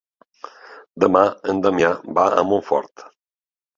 Demà en Damià va a Montfort.